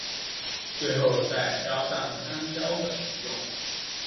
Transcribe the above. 最后再加上山椒粉食用。